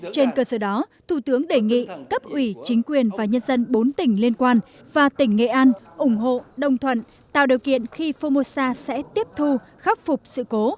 trên cơ sở đó thủ tướng đề nghị cấp ủy chính quyền và nhân dân bốn tỉnh liên quan và tỉnh nghệ an ủng hộ đồng thuận tạo điều kiện khi formosa sẽ tiếp thu khắc phục sự cố